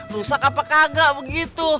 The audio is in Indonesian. rusak apa kagak begitu